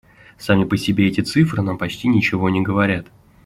Сами по себе эти цифры нам почти ничего не говорят.